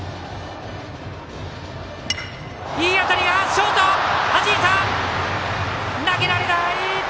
ショート、はじいて投げられない！